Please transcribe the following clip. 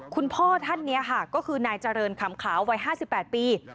คุณพ่อท่านนี้ค่ะก็คือนายเจริญขำขาววัย๕๘ปี